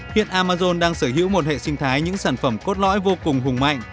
hiện amazon đang sở hữu một hệ sinh thái những sản phẩm cốt lõi vô cùng hùng mạnh